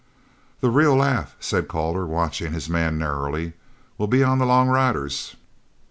"The real laugh," said Calder, watching his man narrowly, "will be on the long riders."